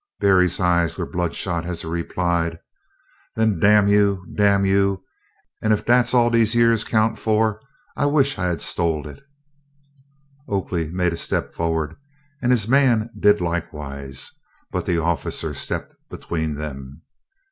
Berry's eyes were bloodshot as he replied, "Den, damn you! damn you! ef dat 's all dese yeahs counted fu', I wish I had a stoled it." Oakley made a step forward, and his man did likewise, but the officer stepped between them.